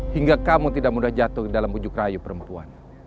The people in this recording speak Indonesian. hingga kamu tidak mudah jatuh dalam bujuk rayu perempuan